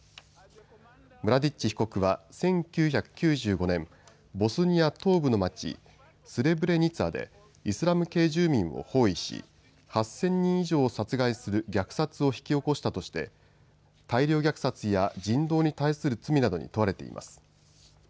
ムラディッチ被告は１９９５年、ボスニア東部の町、スレブレニツァでイスラム系住民を包囲し８０００人以上を殺害する虐殺を引き起こしたとして大量虐殺や人道に対する罪などに問われています。